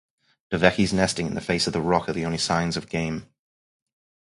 Dovekies nesting in the face of the rock are the only signs of game.